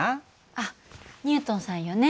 あっニュートンさんよね。